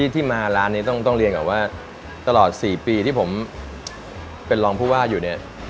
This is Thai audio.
ที่มาร้านนี้ต้องเรียนก่อนว่าตลอด๔ปีที่ผมเป็นรองผู้ว่าอยู่เนี่ย